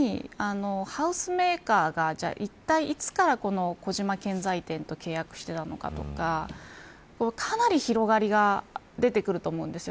そうしたときにハウスメーカーが一体、いつからこの小島建材店と契約していたのかとかかなり広がりが出てくると思うんです。